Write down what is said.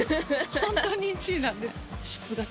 本当に１位なんです。